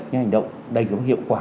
những hành động đầy hiệu quả